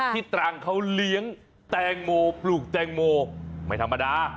ตรังเขาเลี้ยงแตงโมปลูกแตงโมไม่ธรรมดา